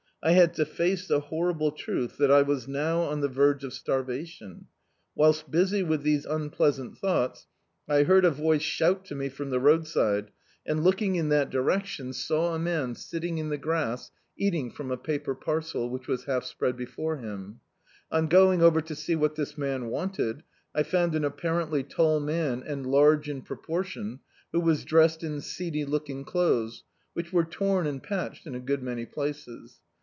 I had to face the horrible truth that I was now on the verge of starvation. Whilst busy with these unpleasant thou^ts, I heard a voice shout to me from the ro^ide, and, looking in that direction, saw a man I229] Dictzed by Google The Autobiography of a Super Tramp sitting in the grass, eating from a paper parcel, which was half spread before him. On going over to see what this man wanted, I found an apparently tall man and large in proportion, who was dressed in seedy looking clothes, which were tom and patched in a good many places.